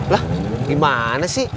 lah dimana sih